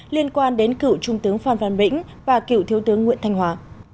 liên quan đến cựu trung tướng phan văn vĩnh và cựu thiếu tướng nguyễn thanh hóa